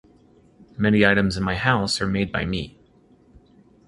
Many items in my house are made by me.